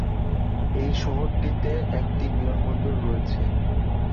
এই শহরটিতে একটি বিমানবন্দর রয়েছে।